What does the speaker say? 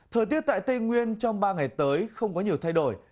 thời tiết tại tây nguyên trong ba ngày tới không có nhiều thay đổi